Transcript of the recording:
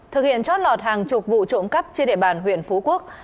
thực hiện trót lọt hàng chục vụ trộm cắp trên địa bàn huyện phú quốc